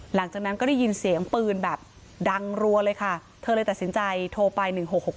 หลังจากนั้นก็ได้ยินเสียงปืนแบบดังรัวเลยค่ะเธอเลยตัดสินใจโทรไป๑๖๖